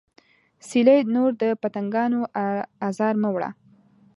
سیلۍ نور د پتنګانو ازار مه وړه